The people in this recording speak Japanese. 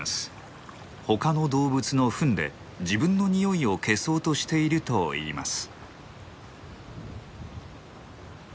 他の動物のフンで自分の匂いを消そうとしているといいます。